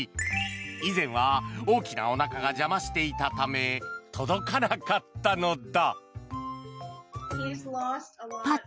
以前は大きなおなかが邪魔していたため届かなかったのだ。